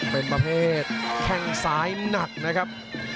เป็นประเภทแข้งซ้ายหนักนะครับ